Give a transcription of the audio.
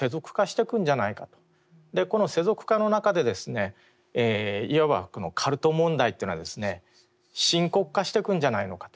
この世俗化の中でいわばこのカルト問題っていうのは深刻化してくんじゃないのかと。